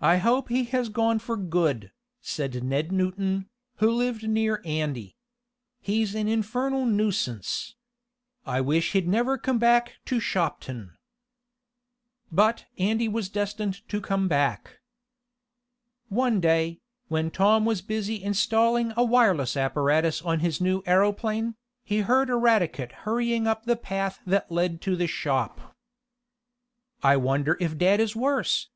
"I hope he has gone for good," said Ned Newton, who lived near Andy. "He's an infernal nuisance. I wish he'd never come back to Shopton." But Andy was destined to come back. One day, when Tom was busy installing a wireless apparatus on his new aeroplane, he heard Eradicate hurrying up the path that led to the shop. "I wonder if dad is worse?"